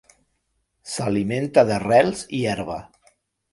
S'alimenta d'arrels i herba.